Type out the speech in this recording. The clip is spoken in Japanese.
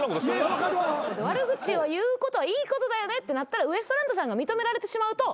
悪口を言うことはいいことだよねってなったらウエストランドさんが認められてしまうと。